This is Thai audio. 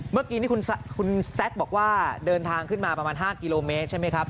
เมื่อกี้นี่คุณแซคบอกว่าเดินทางขึ้นมาประมาณ๕กิโลเมตรใช่ไหมครับ